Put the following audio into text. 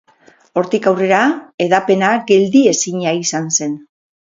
Hortik aurrera, hedapena geldiezina izan zen.